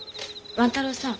万太郎さん